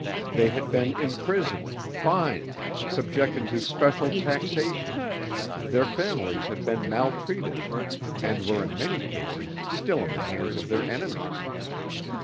They had been imprisoned, fined, subjected to special taxation; their families had been maltreated, and were in many cases still in the hands of their enemies.